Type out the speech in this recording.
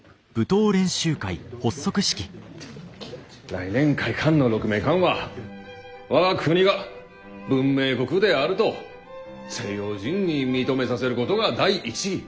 来年開館の鹿鳴館は我が国が文明国であると西洋人に認めさせることが第一義。